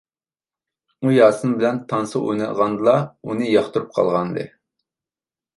ئۇ ياسىن بىلەن تانسا ئوينىغاندىلا ئۇنى ياقتۇرۇپ قالغانىدى.